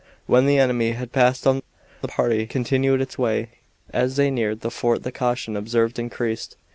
When the enemy had passed on the party continued its way. As they neared the fort the caution observed increased.